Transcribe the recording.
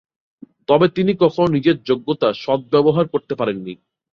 তবে, তিনি কখনো নিজের যোগ্যতার সদ্ব্যবহার করতে পারেননি।